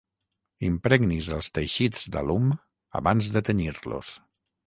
Impregnis els teixits d'alum abans de tenyir-los.